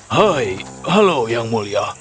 hai halo yang mulia